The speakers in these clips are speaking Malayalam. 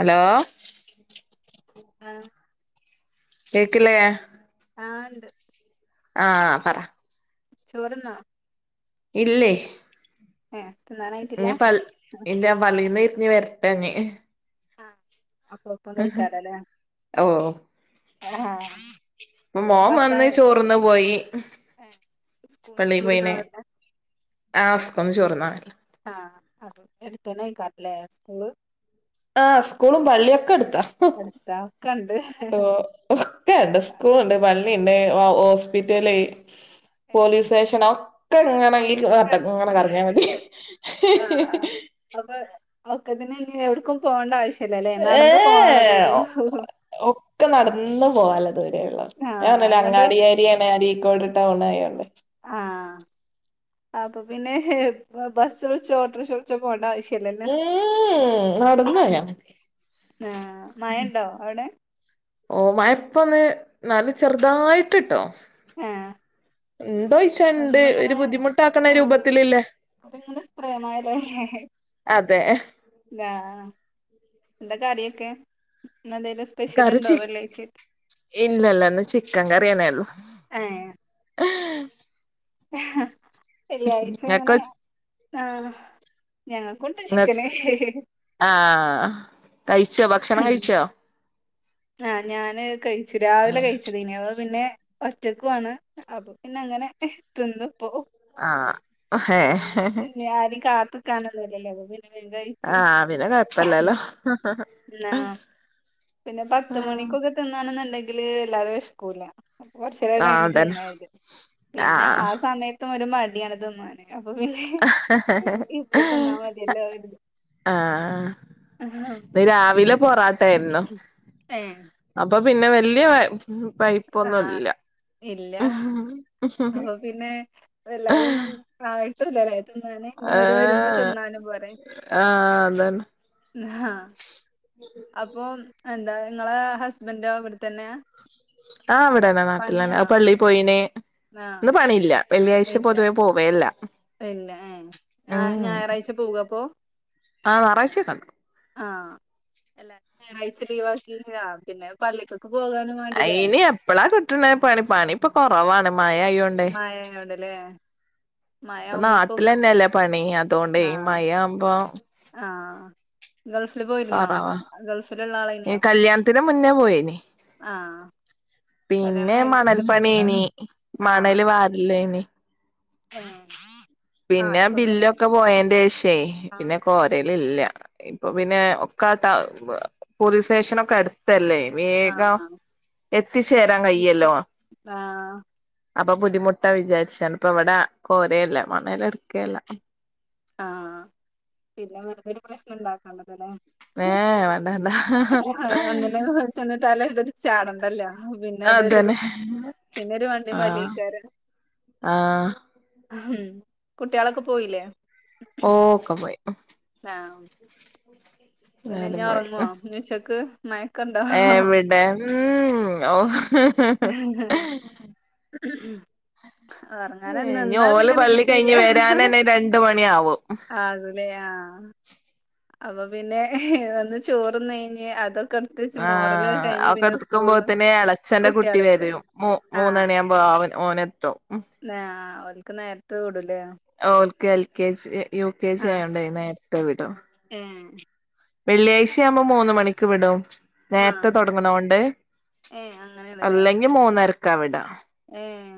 ഹലോ ആഹ് കേക്കില്ലേ. ആഹ് ഇണ്ട് ആഹ് പറ ചോർന്നോ? ഇല്ലേയ് ഏഹ് തിന്നാനായിട്ടില്ല. ഇല്ല പള്ളിയിന്ന് ഇരിഞ്ഞ് വരട്ടെന്ന്. ആ അപ്പൊ ഒപ്പം കഴിക്കാല്ലേ ആല്ലെ ഓ ആഹ്. അപ്പൊ മോൻ വന്ന് ചോർന്ന് പോയി സ്കൂൾന്ന് പള്ളി ചോറ്ന്നാൻ പോയിന്. വരില്ല ആഹ് സ്കൂൾന്ന് ചോർ തിന്നാൻ. ആഹ് അവിടെ എടുത്തന്നെ ആയിക്കാറല്ലേ സ്കൂള്. ആഹ് സ്കൂളും പള്ളിയൊക്കെ എടുത്താ അടുത്താ ഒക്കെ ഉണ്ട് പ്പോ ഒക്കെ ഇണ്ട് സ്കൂള് ഇണ്ട് പള്ളി ഇണ്ട് ഹോ ഹോസ്പിറ്റല്. പോലീസ് എല്ലാം സ്റ്റേഷനോ ഒക്കെ ഇങ്ങെനെ ഇ ത്ത് വട്ടത്തി ഇങ്ങനെ കറങ്ങിയാൽ മതി ആഹ് അപ്പൊ ഒക്കതിന് ഇനി എവിട്ക്കും പോകേണ്ട ആവശ്യല്ലല്ലേ നടന്ന് പോകനുള്ള ഏഹ് ദൂരഒള്ളു ഒഹ് ഒക്കെ നടന്ന് പോകാൻ ഉള്ള ദൂരെഒള്ളു ഞാൻ ആഹ് പറഞ്ഞില്ലേ ഇങ്ങട്ട് അങ്ങാടിയെരിയാണ് അരീക്കോട് ടൗൺ ആയോള്ളേ ആഹ് അപ്പൊ പിന്നെ ഹെ ബസ്സ് വിളിച്ച് ഓട്ടോറിക്ഷ ച്ച് പോണ്ട ആവശ്യയില്ലല്ലോ ഉം നടന്ന് പോയാ മതി ആ മാഴണ്ടോ? അവിടെ. ഓ മഴ ഇപ്പന്ന് ന്നാല്ല ചെറുതായിട്ട്ട്ടോ. ആഹ് ഏന്തോയ്. ഒന്ന്ങ്ങനെ ആ അത്ങ്ങനെ സ്പ്രെമായാലോ അതെ ആഹ് എന്തൊ കടിയൊക്കെ? കറി ചി ഇല്ല ഇല്ലന്ന് ചിക്കൻ കറിയന്നെ ഒള്ളു. ആഹ് ഏഹ് വെള്ളിയാഴ്ച ഇങ്ങക്ക് അങ്ങനെ ആഹ് ഞങ്ങൾക്കൊണ്ട് ഇങ്ങ ചിക്കന് ആഹ് കഴിച്ചോ ഭക്ഷണം കഴിച്ചോ? ആഹ് ഞാന് കഴിച്ചു രാവിലെ കഴി ച്ചതെനി പിന്നെ ഒറ്റക്കുആണ് അപ്പൊ പിന്നെ അങ്ങനെ തിന്നുപ്പോ. ആഹ് ഹേ പിന്ന ആരിം കാത് നിക്കാൻ ഒന്നും ഇല്ലല്ലോ അപ്പോ പിന്നെ വേം കഴിച്ചു ആഹ് പിന്നെ കൊഴപ്പല്ലല്ലോ? ന്നാ പിന്നെ പത്ത് ആഹ് മണിക്കൊക്കെ തിന്നാണെന്നുണ്ടെങ്കില് വല്ലാത്ത വിഷക്കൂല. അപ്പ കൊറചെരെ കഴിന്ന അതന്നെ തിന്നത് പിന്നെ ആഹ് ആ സമയത്തും ഒരു മടിയാണ് തിന്നൻ. അപ്പൊ പിന്നെ ഇപ്പ തിന്നാ മതിയല്ലോ കരുതി ആഹ് ഇന്ന് രാവിലെ പൊറാട്ട ആയിരുന്നു ഏ അപ്പൊ പിന്നെ വലിയ പൈ ആഹ് ഇല്ല അപ്പൊ പിന്നെ വല്ലാതൊന്നും. ആയിട്ടുംഇല്ലല്ലെ തിന്നന് ഇനി ഓൽ വരുമ്പോ ഏഹ് തിന്നാനും പോരെ. ആഹ് അതന്നെ ന്ന് ഹ അപ്പൊ എന്താ ഇങ്ങളെ ഹസ്ബൻഡോ ഇവിടെത്തന്നെ? ആഹ് അവിടെന്നെ നാട്ടിലന്നെ അത് പള്ളിയിൽ പോയിന്. ആ ഇന്ന് പണില്ല വെള്ളിയാഴ്ച ഇല്ല പൊതുവേ പോവെല്ല ഇല്ല ഏഹ് ആഹ് ഞായറാഴ്ച പോവോ അപ്പോ? ആ ഞായറാഴ്ചോക്കണ്ട് ആഹ് എല്ലാരും ഞായറാഴ്ച ലീവ ആക്കി ആ പിന്നെ പള്ളിക്കൊക്കെ പോകാനും വേണ്ടില്ലേ അയിനി എപ്പഴാ കിട്ടണ പണി പണി ഇപ്പൊ കുറവാണ് മഴ ആയോണ്ട് മഴയോടല്ലേ മഴ ഇപ്പൊ മുമ്പ്പ്പും നാട്ടിലന്നെല്ലേ പണി അതൊണ്ടെയ് ഈ മയാ ആവുമ്പം ആഹ് ഗൾഫിൽ പോയിരുന്നോ കൊറവാ ഗൾഫിലള്ള ആളേന്യോ പോയിന്നെ കല്യാണം പിന്നെ കഴിഞ്ഞിട്ട് പിന്നെ മണൽപ്പണിയേനി പോയിട്ടുണ്ടാവൂലല്ലേ മണൽ വാരലേനി ഏഹ് പിന്നെ ബില്ലൊക്കെ പോയന്റെ ഷേ പിന്നെ ആഹ് കോരൽ ഇല്ല ഇപ്പൊ പിന്നെ ഒക്ക പോലീസ് സ്റ്റേഷനൊക്കെ എടുത്ത് ല്ലേ വേഗം ആഹ് എത്തിച്ചേരാൻ കയല്ലോ ഇപ്പം ആഹ് അപ്പൊ ബുദ്ധിമുട്ടാ വിചാരിച്ചാണ് ഇപ്പ ഇവിടെ കോരെല്ല മണൽ എടുക്കേല്ല ആഹ് പിന്നെ വെറുതൊരു പ്രശ്നം ഇണ്ടാക്കണ്ടല്ലോല്ലേ ഏ വേണ്ട വേണ്ട ഒന്നിലിച്ചന്നിട്ടലരുടെ ഒരു ചാടണ്ടല്ലോ അതന്നെ പിന്നെരു വണ്ടിയും ആഹ് വലക്കാരം ആഹ് ഉം കുട്ട്യാളൊക്കെ പോയില്ലേ ഓഹ് ഒക്കെ പോയി ആഹ് [inaudible] പിന്നെ ഇഞാൻ പോയി ഉറങ്ങുവ ഉച്ചക്ക് മയക്കണ്ടോ [inaudible] എവിടെ ഉം ഓ [inaudible] ഒറങ്ങാന് ഏഹ് നിന്നാ ഓല് പിന്നെ പള്ളി നീച്ചൂല്ല കഴിഞ്ഞ് വരനന്നെ രണ്ട മണി ആവും [unintelligible] അപ്പൊ പിന്നെ വന്ന് ചോറ് നഴഞ്ഞ് അതൊ ആ അവക്കെ എടുക്കുമ്പോത്തന്നെ ഇളച്ചന്റെ കുട്ടി കുട്ട്യാള് വരെ വരും മൂ മൂന്നണിയ ആവുമ്പോ അവൻ ഓനെത്തും [unintelligible] അവലക്ക് നേരത്ത വിടൂലേ ഒള്ക്കെ L K G U K G ആയൊണ്ടായി നേ നേരത്തെ വിടോ ഉം വെള്ളിയാഴ്ച ആവുമ്പോ മൂന്ന് മണിക്ക് വിടും ആഹ് നേരത്തെ തുൊടങ്ങണ കൊണ്ട് ഏഹ് അല്ലെങ്കിൽ മൂന്നരക്കവിട ഉം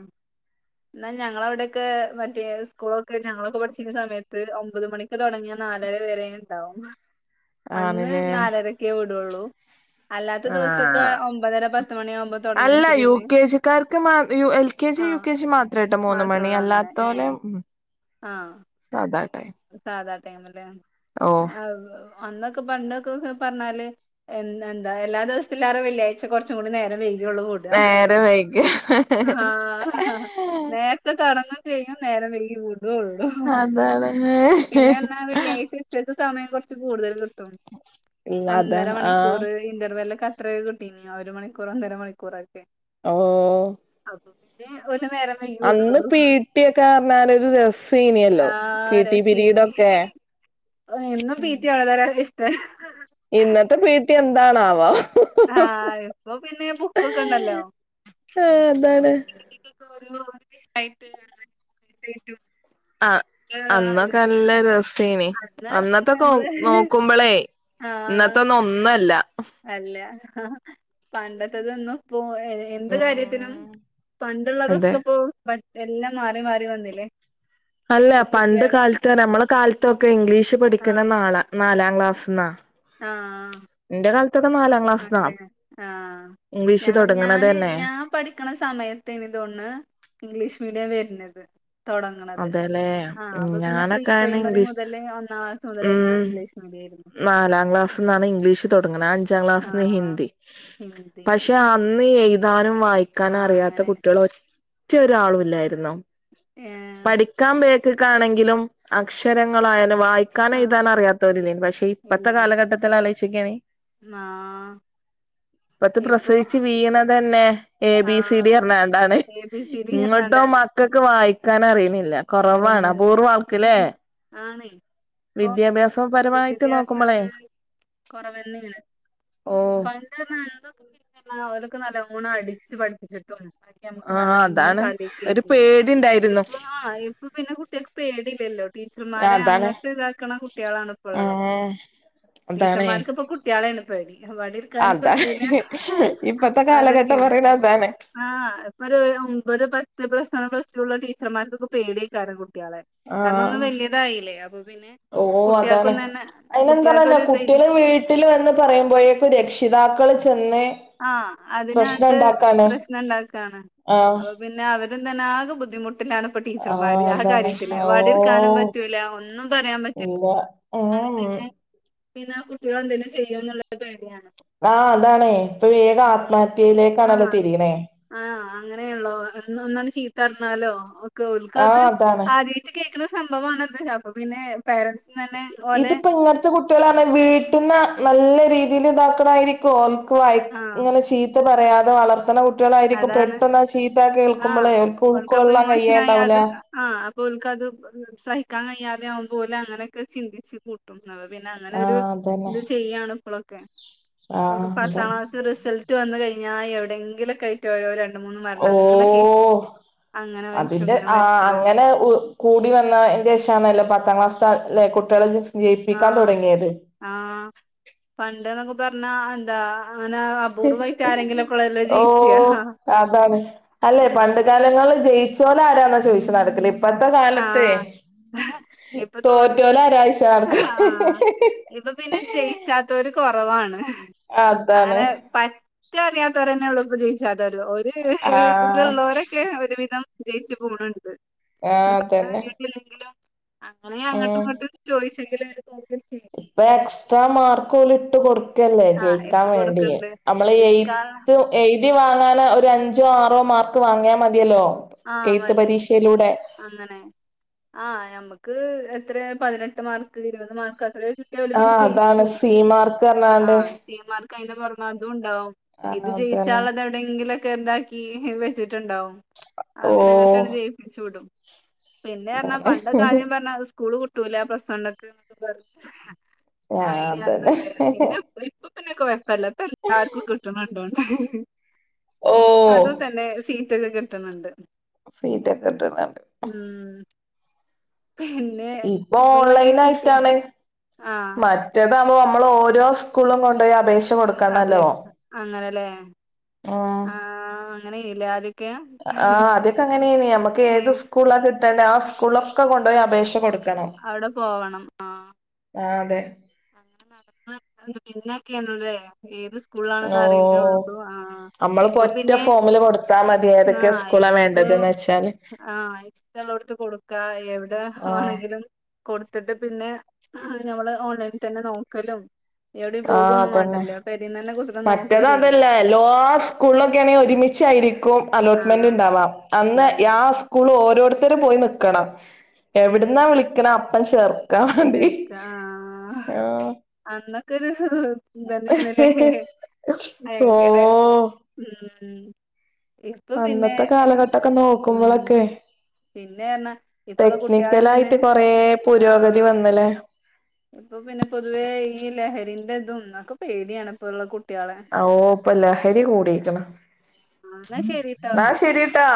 എന്നാൽ ഞങ്ങള അവിടെൊക്കെ മറ്റേ സ്കൂളൊക്കെ ഞങ്ങളൊക്കെ പഠിച്ചിരുന്ന സമയത്ത് ഒമ്പത് മണി തുടങ്ങിയ നാലര വേര ഉണ്ടാവും അന്ന് ആണ്ല്ലേ നാലരക്കെ വിടുള്ളൂ അല്ലാത്ത ദിവസൊക്കെ ആഹ് ഒമ്പതര പത്തുമണിയാകുമ്പോ തുടങ്ങിട്ട് പിന്നെ കർക്ക് മാ U L K G U ആഹ് കെ ജി മാത്രട്ടോ മൂന്ന മണി മാത്രൊള്ളൂ അങ്ങനെ അല്ലാത്തല ഏഹ് ആഹ് സാധാട്ടെയിം സാധാ ടൈംല്ലേ അന്നൊക്കെ പണ്ടൊക്കെ പറഞ്ഞാല് എ എന്താ എല്ലാ ദിവസത്തിലാര വെള്ളിയഴ്ച കുറച്ചും കൂടി നേരം വെയിക്കും ന്നുള്ളു വിട നേരം ആ വൈകിയ ആഹ് നേരത്തെ [unintelligible] തടങ്ങും ചെയഴും നേരെ വെയകി വിടുള്ളൂ അതാണ് [unintelligible] ചേക്ക് സമയം കുറച്ച് കൂടുതൽ കിട്ടും ഇല്ല അതാ ഒന്നര ആഹ് മണിക്കൂർ ഇന്റർവല്ലെ കത്ത കിട്ടീ ഒരു മണിക്കൂർ ഒന്നര മണിക്കൂറൊക്കെ ഓ ഹി ഒരു നേരം വൈകി അന്ന് വിടുള്ളൂ പീട്ടിയൊക്കെ പറഞ്ഞാല ഒരു രസീനീ ഇനിയല്ലോ [unintelligible] ഒരാക്ക് ഇഷ്ട്ടം ഇന്നത്തെ പിടി എന്താണാവോ [unintelligible] ആഹ ഇപ്പൊ പിന്നെ ബുക്കൊക്കെണ്ടല്ലോ ആഹ് അതാണ് ഒരോ ഓർക്ക് ഇഷ്ടായിട്ട് അങ്ങനെ [unintelligible] ആ അന്നൊക്കെ നല്ല രസേനി അന്ന് അന്നത്തൊക്കെ നമ്മള് നോക്കുമ്പളേ ആഹ് ഇന്നത്തൊന്നഒന്നു അല്ല. അല്ല ഹ പണ്ടത്തതൊന്നും ഇപ്പോ. എന്ത് കാര്യത്തിനും ഉം അതെ പണ്ടുള്ളതൊക്കെ ഇപ്പോ എല്ലാം മാറി മാറി വന്നില്ലേ അല്ല ഇപ്പൊ പണ്ട് കുട്ടികള് കാലത്ത് നമ്മെളെ കാലത്തൊക്കെ ഇംഗ്ലീഷ് പഠിക്കണ ആഹ് നാലാ നാലാം ക്ലാസ്ന്നാ. ആഹ് ന്റെ കാലത്തൊക്കെ നാലാം ക്ലാസ്ന്നാ ആണല്ലേ ആഹ് ഇംഗ്ലീഷ് തൊടങ്ങ്ണ തന്നെ. പഠിക്ക്ണ സമയത്ത്നിതോന്ന് ഇംഗ്ലീഷ് മീഡിയം വരുന്നത്. തൊടങ്ങ്ണത് അതെല്ലേ ആഹ ഉം അപ്പൊ പിന്നെ പ്രീ ഞാനൊക്കെ ആയന്ന് പ്രൈമറി ഇംഗ്ലീഷ് മുതല് ഒന്നാം. അത് വരെ ഉം ഞാനും ഇംഗ്ലീഷ് മീഡിയാരുന്നു നാലാം ക്ലാസ്ന്നാണ് ഇംഗ്ലീഷ്. തൊടങ്ങ് ണെ അഞ്ചാം ക്ലാ സിന് ആഹ് ഹിന്ദി ഹിന്ദി പക്ഷെ അന്ന് എഴുതാനും വായി ക്കൻ ആഹ് അറിയാത്ത അങ്ങനെ കുട്ടികള് ഒറ്റ ഒരാളില്ലായിരുന്നു. ഏ പഠിക്കാൻ ബേക്കുകാണെങ്കിലും അക്ഷരങ്ങളായാലും വായി വായിക്കാനും ആഹ് എഴുതാനും അറിയാത്തോലില്ല പക്ഷെ ഇപ്പത്തെ കാലഘട്ടത്തിൽ ഒന്ന് ആലോചിക്കാണി. ആ ഇപ്പ ത്ത പ്രസവിച്ചു വീഴ്‌ണതന്നെ എ ബി സി ഡി ആഹ് പറഞ്ഞാണ്ടാണ് എ ബി സി ഡി പറഞ്ഞാണ്ടാണ് ഇങ്ങോട്ടോമക്കൾ ക്കക്കെ വായിക്കാൻ അറിയുന്നില്ല കുറവാണ് അബൂർ വാൾക്ക്ല്ലേ ആണെയ് വിദ്യാഭ്യാസം വിദ്യാഭ്യാസം കൊറവെന്നേണ് ഓ [unintelligible] [unintelligible] ഓരൊക്കെ നല്ലോണം അടിച്ച് പഠിപ്പിച്ച്ക്കാണ് ആഹ് അതാണ് ഒരു പേടി ഇണ്ടായിരുന്നു [unintelligible] ഇപ്പ പിന്നെ കുട്ട്യാക്ക് പേടില്ലല്ലോ ടീച്ചർമാരെ അതാണ് അങ്ങോട്ട് ഇതാക്കണ കുട്ട്യാളാണ് ഇപ്പള്ളത് ഉം അതാണേ ടീച്ചർമാർക്ക് പ്പം കുട്ട്യാളെണ് പേടി വടിട് അതാണ് ഇപ്പത്തെ കാലഘട്ടം പറയുന്ന അതാണ് ആ ഇപ്പൊരു ഒമ്പത് പത്ത് പ്ലസ് വൺ പ്ലസ് ടു ള്ള ടീച്ചർമാർക്കൊക്കെ പേടിയേക്കാരം കുട്ട്യാളെ കാരണൊന്ന് ആഹ് വെല്യതായില്ലേ അപ്പൊ പിന്നെ ഓ അതാണ് കുട്ടികൾക്കൊന്ന് തന്നെ അയിനെന്താണോലോ കുട്ടികൾക്കൊരു ധൈര്യം കുട്ട്യാള് വീട്ട ട്ട് ല് വന്ന് പറയുമ്പോഴേക്കും രക്ഷിതാക്കള് ചെന്ന് ആ പ്രശ്നം അതിനകത്ത് ഇണ്ടാക്കാണ് പ്രശ്നണ്ടാക്കാണ് അ ആഹ് പിന്നെ അവരും തന്നെ ആകെ ബുദ്ധിമുട്ടിലാണ് ഇപ്പ ആഹ് ടീച്ചർമാര് ആ അതാണ് കാര്യത്തില് വടി ട് കാനും ഓ പറ്റൂല ഒന്നും പറയാൻ ഇല്ല പറ്റൂല്ല ഉം ഒ ഉം തന്നെ പിന്ന കുട്ട്യോളെന്തെങ്കിലും ചെയ്യോന്ന്ള്ളൊരു പേടിയാണ് ആ അതാണേ ഇപ്പൊ വേഗം ആത്മഹത്യയിലേക്കാണല്ലോ തിരിയ്ണേ ആ അങ്ങനെള്ളോ ഒന്നണ്ട് ചീത്തറിഞ്ഞാലോ ഒക്കെ ഓൽക്കത് ആഹ് അതാണ് ആ ദ്യയിട്ട് കേക്ക്ണ സംഭവാണത് അപ്പൊ പിന്നെ പാരൻസ് ഇതിപ്പോ ഇങ്ങൻത്തെ കുട്ട്യാള് പറഞ്ഞ വീട്ടിന്ന് നല്ല രീതില് ഇതാക്കണായിരി ഓൻക് വഴക്ക് ആഹ് ഇങ്ങനെ ചീത്ത പറയാതെ വളർത്തണ കു ട്ട്യാളായിരിക്കും അതാണ് പെട്ടെന്ന ചീത്ത ആഹ് കേൾക്കുമ്പളേ ഓൽക് ഉൾ കൊള്ളാൻ കയ്യേണ്ടാവൂല ആ അപ്പോല്ക്കത് സഹിക്കാൻ കയ്യാതാകുമ്പൊ ഓല് അങ്ങനൊക്കെ ചിന്തിച്ച് കൂ പിന്നെ അങ്ങനൊരു ആഹ് അതന്നെ ത് ചെയ്യാണ് ഇപ്പളൊക്കെ ആഹ് ഓക്ക് അതന്നെ പത്താം ക്ലാ ത്തെ റിസൾട്ട് വന്ന് കഴിഞ്ഞാ എവിടെങ്കിലൊക്കായി ട്ട് ഓരോ രണ്ട് മൂന്ന് മരണങ്ങനെ കേക്കും ഓഹ് അങ്ങനെ മരിച്ചു അതിന്റെ ഇങ്ങനെ മരിച്ചു ആഹ് പർഞ്ഞ് അങ്ങനെ കൂടി വന്നാ ന്റെശാണല്ലോ പത്താം ക്ലാസ്സ്ത്തെ ലെ കുട്ട്യാളെ ജയിപ്പിക്കാൻ തൊടങ്യേത് ആ പണ്ട്ന്നൊക്കെ പറഞ്ഞാ എന്താ അങ്ങനെ അ ഓ അതാണ് അല്ലെ പണ്ട് കാലങ്ങളില് ജയി ച്ചോലാരാന്നാ ചോയിച്ച് നടക്കല് ഇ ഇപ്പത്തെ കാലത്തെ ആഹ് ഇപ്പൊ തോറ്റോര് തോറ്റോലാരായ്ച്ച് നടക്ക് ആഹ് ഇപ്പൊ പിന്നെ ജയിച്ചാത്തോര് കൊറവാണ് അതാണ് അങ്ങനെ പറ്ററിയാത്തവരന്നെള്ളു ഇപ്പൊ ജയിച്ചാത്തോര് ഒര് ആഹ് ഇത്ള്ളോര് ക്കെ ഒരുവിധം ജയിച്ചു പോണ് ണ്ട് ആ അതെന്നെ ല്ലെങ്കിലും അങ്ങനെ അങ്ങട്ടും ഇങ്ങട്ടും ചോയിച്ചെങ്കിലും ഓല് പോവില്ലേ ഇപ്പൊ എക്സ്ട്രാ മാർക്കോല് ഇട്ട് കൊടു ക്കല്ലേ ആഹ് ജയിക്കാ ഇട്ട് വേണ്ടി കൊടുക്ക്ണ്ട് നമ്മളീ ജയിക്കാൻ എയ്ത്തും എയ്തി വാങ്ങാന ഒരഞ്ചോ ആറോ മാർക്ക് വാങ്ങിയാ മതിയല്ലോ ആ എയ്ത്ത് മതി പരീക്ഷയിലൂടെ അങ്ങനെ ആ ഞമ്മക്ക് എത്രെ പതിനെട്ട് മാർക്ക് ഇരുപത് മാർക്ക് അത്രേ കി ആ അതാണ് സി മാ ആ സി മാർക്ക് അയിന്റെ പൊറമെ അതുണ്ടാവും ഇത് ആഹ് അതന്നെ ജയിച്ചാളളതെവിടെങ്കിലൊക്കെതാക്കി വെച്ചിട്ട്ണ്ടാവും അത് പിന്നെ ങ്ങട്ട് ട്ടണ്ട് ഓഹ് ജയിപ്പിച്ചു വിടും പിന്നെറഞ്ഞാ അതാണ് പണ്ടൊക്കാദ്യം പറഞ്ഞാ സ്കൂള് പൂ ട്ടൂല പ്ലസ്സ് വണ്ണ്ക്ക് ന്നൊക്കെ പറയും ആ അതെന്നെ ഇപ്പൊ പിന്നെ കൊയപ്പില്ല ഇപ്പെല്ലാർക്കും കിട്ട്ണ് ണ്ടോന്ന്ണ് ഓ അതും തെന്നെ സീറ്റൊക്കെ കിട്ട്ണ്ണ്ട് സീറ്റൊക്കിട്ടണ്ണ്ട് ഉം പിന്നെ ഇപ്പൊ ഇപ്പൊള്ളെന്നെ ഓൺലൈൻ കുട്ടിയ ആഹ് റ്റേതാമ്പോ നമ്മളോരോ സ്കൂളിലും കൊണ്ടോയ് അപേക്ഷി അപേക്ഷ അങ്ങനല്ലേ ആഹ് അങ്ങനായില്ലേ ആദ്യ ആഹ് ആദ്യൊക്കെ അങ്ങനേന്നി ഞമ്മക്ക് ഏത് ഏഹ് സ്കൂളിലാ കിട്ടേണ്ട് ആ സ്കൂളിലൊക്കെ കൊണ്ടോയി അപേക്ഷ കൊടുക്കണം അവിടെ പോവണം ആഹ് ആഹ് അതെ അങ്ങനെ നടന്ന് പിന്നാക്കെയാണല്ലേ ഏത് സ് ഓ കൂളിലാണെന്ന് അറിയുന്നേള്ളൂ ആഹ് നമ്മളിപ്പോ ഇപ്പൊ ഒറ്റ പിന്നെ ഫോമില് കൊടുത്താൽ മതി ഏതൊക്കെയാ ആഹ് സ്കൂളാ ഇപ്പൊ വേണ്ടത് ന്ന് വെച്ചാല് ആഹ് ഇഷ്ട്ടൊളളടുത്ത് കൊടുക്കാ എവിടെ ആഹ് ആണെങ്കിലും കൊടുത്തിട്ട് പിന്നെ അത് നമ്മള് ഓൺലൈനി തന്നെ നോക്കലും എവിടെം ആഹ് പോകൊന്നും അതന്നെ വേണ്ടല്ലോ പെരേംതന്നെ കുത്തിരിന്ന് നോക്കുവേം ചെയ്യാം ല്ലാ സ്കൂളിലൊക്കെ ആണെങ്കി ഒരുമിച്ചായിരിക്കും അലോട്ട്മെന്റ് ആഹ് ഇണ്ടാവാ അന്ന് ഇണ്ടാവൂല യാസ് സ്കൂൾ ഓരോടുത്തരും പോയി നിക്കണം ഏഹ് എവിടുന്നാ വിളിക്കണ് അപ്പം ചേർ ക്കാൻ വേണ്ടി ആഹ് അന്നെക്കൊരു ഭയങ്കര ഓഹ് ഉം ഇപ്പൊ പിന്നെ അന്നത്തെ കാലഘട്ടൊക്കെ നോക്കുമ്പളൊക്കെ പിന്നെപർണ ടെക്നിക്കലായിട്ട് കൊറേ പുരോഗതി ആഹ് വന്നല്ലേ ഇപ്പൊ പിന്നെ പൊതുവേ ഈ ലഹരിന്റെ ഇതും ഒക്കെ പേടിയാണ് ഇപ്പൊള്ള കുട്ടികളെ ഓഹ് ഇപ്പ ലഹരി കൂടിയേക്കണ് ആ, എന്നാ ശരിട്ടോ എന്നാ ശെരിട്ടാ